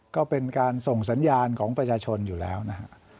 ก็เป็นการส่งสัญญาณของประชาชนอยู่แล้วนะฮะ